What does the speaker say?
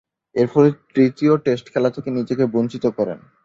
এরফলে তৃতীয় টেস্ট খেলা থেকে নিজেকে বঞ্চিত করেন।